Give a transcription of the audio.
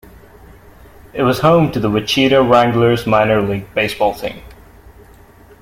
It was home to the Wichita Wranglers minor league baseball team.